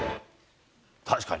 確かに。